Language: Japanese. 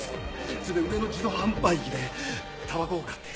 それで上の自動販売機でたばこを買って。